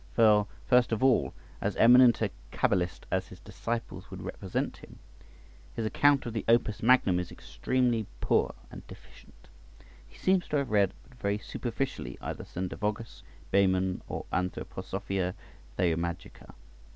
For, first of all, as eminent a cabalist as his disciples would represent him, his account of the opus magnum is extremely poor and deficient; he seems to have read but very superficially either Sendivogus, Behmen, or Anthroposophia Theomagica {102b}.